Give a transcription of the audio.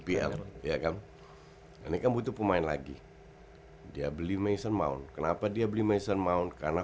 pm ya kan ini kamu itu pemain lagi dia beli mason maun kenapa dia beli mason maun karena